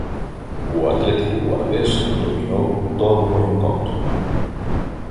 O Atlético Guardés dominou todo o encontro.